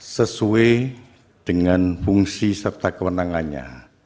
sesuai dengan fungsi serta kewenangannya